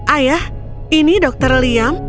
ayah ini dr liam